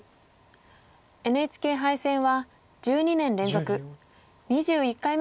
ＮＨＫ杯戦は１２年連続２１回目の出場です。